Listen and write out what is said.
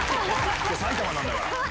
今日埼玉なんだから。